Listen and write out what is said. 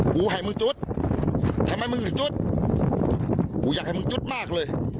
กูให้มึงจุดทำไมมึงจุดกูอยากให้มึงจุดมากเลย